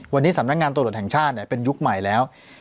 วันนี้สำนักงานตรวจแห่งชาติเป็นยุคใหม่แล้ว